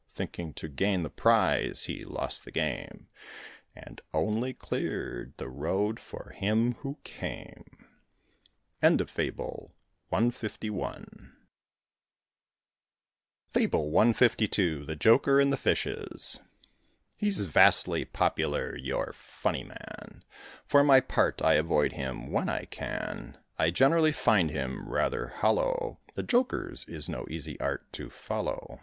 Thinking to gain the prize, he lost the game, And only cleared the road for him who came. FABLE CLII. THE JOKER AND THE FISHES. He's vastly popular, your "Funny Man;" For my part I avoid him when I can. I generally find him rather hollow; The joker's is no easy art to follow.